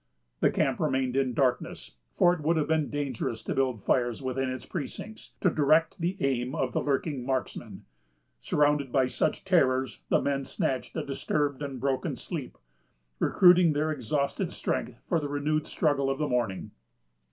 The camp remained in darkness, for it would have been dangerous to build fires within its precincts, to direct the aim of the lurking marksmen. Surrounded by such terrors, the men snatched a disturbed and broken sleep, recruiting their exhausted strength for the renewed struggle of the morning.